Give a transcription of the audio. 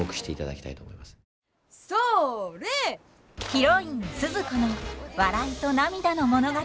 ヒロインスズ子の笑いと涙の物語。